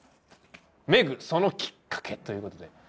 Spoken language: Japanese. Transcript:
「めぐそのきっかけ」という事で。